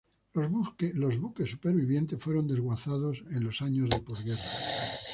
Los buques supervivientes, fueron desguazados en los años de posguerra.